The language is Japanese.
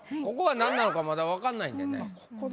ここはなんなのかまだわかんないんでね。